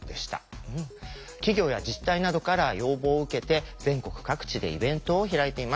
企業や自治体などから要望を受けて全国各地でイベントを開いています。